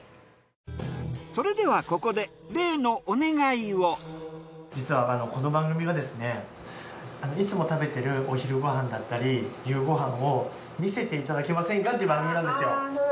それではここで実はこの番組がですねいつも食べてるお昼ご飯だったり夕ご飯を見せていただけませんかって番組なんですよ。